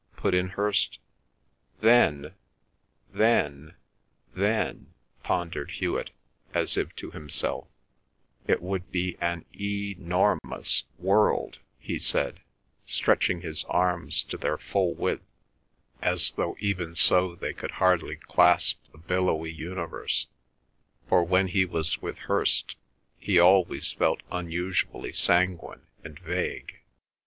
put in Hirst. "Then—then—then—" pondered Hewet, as if to himself, "it would be an e nor mous world," he said, stretching his arms to their full width, as though even so they could hardly clasp the billowy universe, for when he was with Hirst he always felt unusually sanguine and vague.